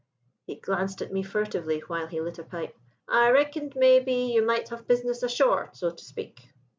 "He glanced at me furtively while he lit a pipe. 'I reckoned, maybe, you might have business ashore, so to speak.'